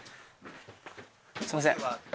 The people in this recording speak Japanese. すいません。